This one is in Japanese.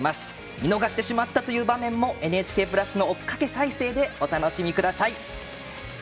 見逃してしまったという場面もＮＨＫプラスの追っかけ再生でお楽しみください。